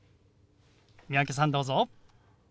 三宅さんどうぞ。